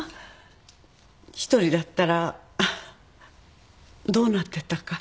一人だったらどうなってたか。